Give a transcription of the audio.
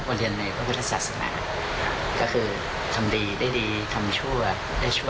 เรียนในพระพุทธศาสนาก็คือทำดีได้ดีทำชั่วได้ชั่ว